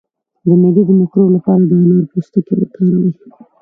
د معدې د مکروب لپاره د انار پوستکی وکاروئ